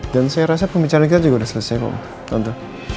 dan saya rasa pembicaraan kita juga udah selesai kok tante